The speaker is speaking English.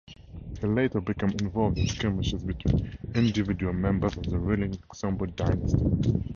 He later became involved in skirmishes between individual members of the ruling Luxembourg dynasty.